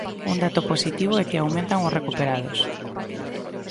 Un dato positivo é que aumentan os recuperados.